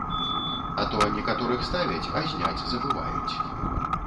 А то некаторых ставяць, а зняць забываюць.